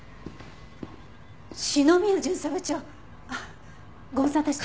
篠宮巡査部長ご無沙汰して。